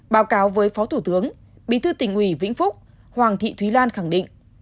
báo cáo với phó thủ tướng bí thư tỉnh ủy vĩnh phúc hoàng thị thúy lan khẳng định